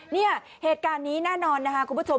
เนี่ยเหตุการณ์นี้แน่นอนนะคะคุณผู้ชม